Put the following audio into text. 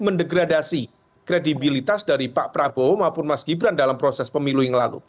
mendegradasi kredibilitas dari pak prabowo maupun mas gibran dalam proses pemilu yang lalu